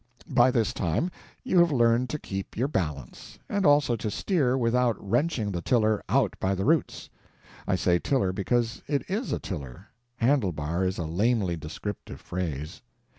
By this time you have learned to keep your balance; and also to steer without wrenching the tiller out by the roots (I say tiller because it IS a tiller; "handle bar" is a lamely descriptive phrase).